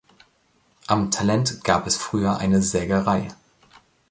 Am Talent gab es früher eine Sägerei.